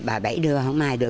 bà bảy đưa không ai được